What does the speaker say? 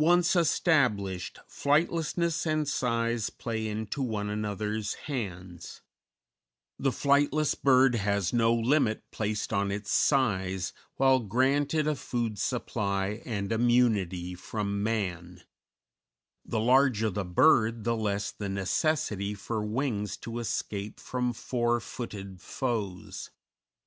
_ Once established, flightlessness and size play into one another's hands; the flightless bird has no limit placed on its size while granted a food supply and immunity from man; the larger the bird the less the necessity for wings to escape from four footed foes.